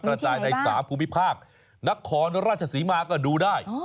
มันที่ไหนบ้างนี่ที่ไหนบ้างนักขอนราชศรีมาก็ดูได้